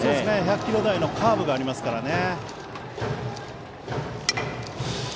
１００キロ台のカーブがありますからね。